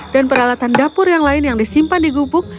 dan peralatan dapur yang lain yang disimpan di gubuk